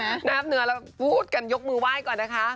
แวะแบบน้ำเนื้อแล้วบูดกันยกมือไหว้ก่อนนะคะ